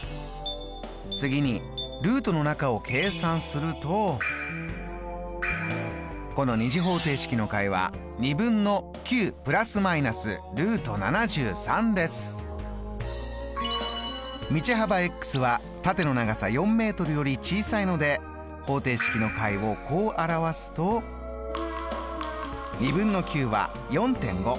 次にルートの中を計算するとこの２次方程式の解は道幅は縦の長さ４ｍより小さいので方程式の解をこう表すとは４．５。